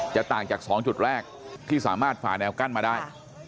ต่างจาก๒จุดแรกที่สามารถฝ่าแนวกั้นมาได้